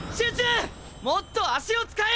もっと足を使え！